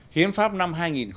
hiến pháp năm hai nghìn một mươi ba